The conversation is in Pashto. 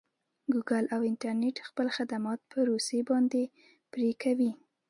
ګوګل او انټرنټ خپل خدمات په روسې باندې پري کوي.